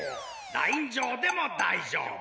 ラインじょうでもだいじょうぶ。